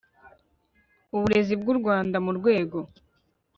uburezi bw'u rwanda mu rwego